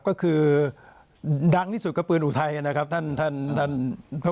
หนังนี้สุดก็คือปืนอูไทยนะครับท่านเจ้าครับ